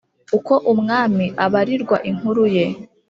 uko umwami abarirwa inkuru ye